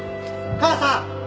母さん！